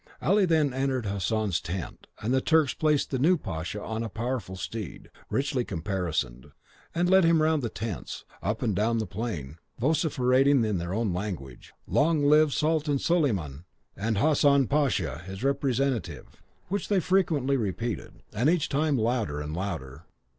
Ali then entered Hassan's tent, and the Turks placed the new Pasha on a powerful steed, richly caparisoned, and led him round the tents, and up and down the plain; vociferating in their own language, "Long live Sultan Soliman, and Hassan Pasha, his representative!" which cry they frequently repeated, and each time louder and louder.